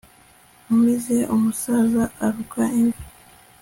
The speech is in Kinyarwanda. umize umusaza aruka imvi